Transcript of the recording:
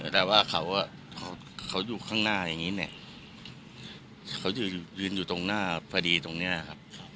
แต่ว่าเขาอยู่ข้างหน้าอย่างนี้เนี่ยเขายืนอยู่ตรงหน้าพอดีตรงนี้ครับ